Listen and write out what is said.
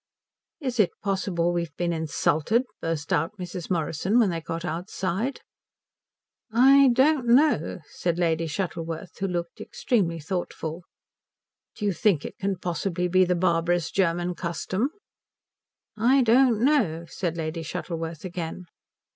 "Is it possible we've been insulted?" burst out Mrs. Morrison when they got outside. "I don't know," said Lady Shuttleworth, who looked extremely thoughtful. "Do you think it can possibly be the barbarous German custom?" "I don't know," said Lady Shuttleworth again.